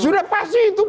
sudah pasti itu